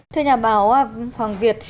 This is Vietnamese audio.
thưa nhà báo hoàng việt